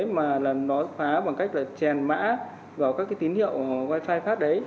mà là nó phá bằng cách là chèn mã vào các cái tín hiệu wifi phát đấy